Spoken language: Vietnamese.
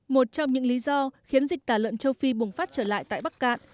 một trong những lý do khiến dịch tả lợn châu phi bùng phát trở lại tại bắc cạn